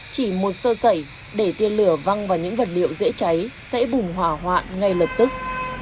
chỉ một sơ sẩy để tiên lửa văng vào những vật liệu dễ cháy sẽ bùng hỏa hoạn ngay lập tức